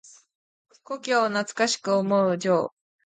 故郷を懐かしく思う情。